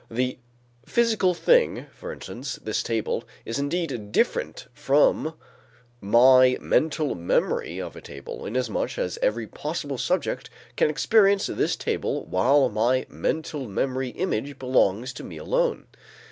The physical thing, for instance this table, is indeed different from my mental memory idea of a table, inasmuch as every possible subject can experience this table while my mental memory image belongs to me alone.